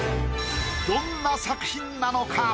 どんな作品なのか？